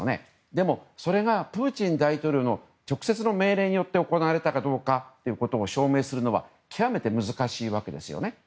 でも、それがプーチン大統領の直接の命令によって行われたかどうかということを証明するのは極めて難しいわけですね。